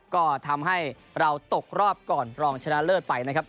ก็ทำให้เราตกรอบก่อนรองชนะเลิศไปนะครับ